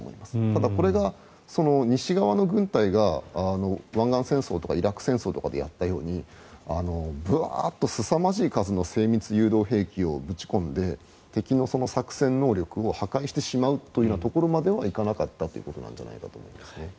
ただ、これが西側の軍隊が湾岸戦争とかイラク戦争でやったようにブワーッとすさまじい数の精密誘導兵器をぶち込んで敵の作戦能力を破壊してしまうというところまではいかなかったということなんじゃないかと思いますね。